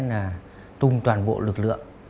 để tùng toàn bộ lực lượng